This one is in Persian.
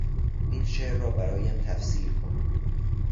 این شعر را برایم تفسیر کن!